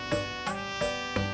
tidak ada yang bisa diberikan